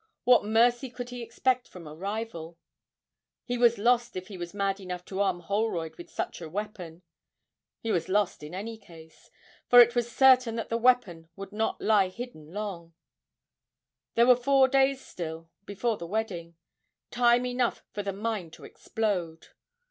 what mercy could he expect from a rival? He was lost if he was mad enough to arm Holroyd with such a weapon; he was lost in any case, for it was certain that the weapon would not lie hidden long; there were four days still before the wedding time enough for the mine to explode!